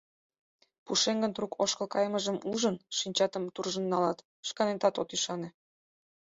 Пушеҥгын трук ошкыл кайымыжым ужын, шинчатым туржын налат — шканетат от ӱшане.